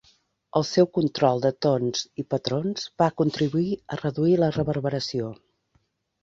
El seu control de tons i patrons va contribuir a reduir la reverberació.